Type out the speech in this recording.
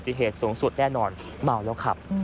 ยังเป็นอันดับ๑